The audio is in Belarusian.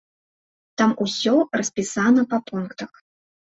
Там усё распісана па пунктах.